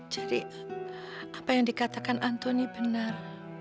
jadi apa yang dikatakan antoni benar